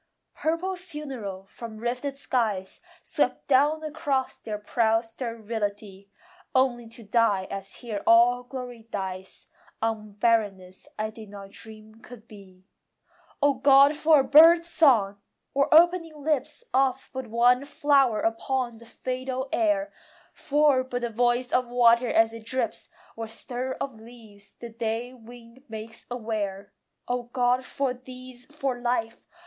Purple funereal from rifted skies Swept down across their proud sterility, Only to die as here all glory dies, On barrenness I did not dream could be. O God, for a bird song! or opening lips Of but one flower upon the fatal air, For but the voice of water as it drips, Or stir of leaves the day wind makes aware! O God, for these, for life!